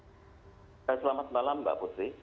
selamat malam mbak pusri